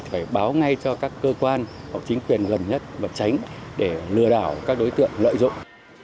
phải báo ngay cho các cơ quan hoặc chính quyền gần nhất và tránh để lừa đảo các đối tượng lợi dụng